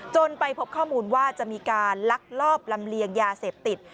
ไปพบข้อมูลว่าจะมีการลักลอบลำเลียงยาเสพติด